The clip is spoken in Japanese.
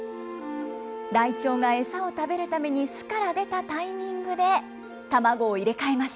ライチョウが餌を食べるために巣から出たタイミングで、卵を入れ替えます。